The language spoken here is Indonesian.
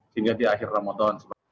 sehingga di akhir ramadan